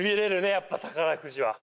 やっぱ宝くじは。